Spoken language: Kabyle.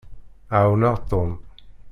Ɛawneɣ Tom.